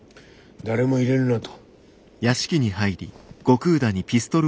誰も入れるなと。